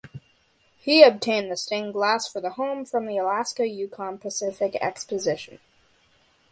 He obtained the stained glass for the home from the Alaska–Yukon–Pacific Exposition.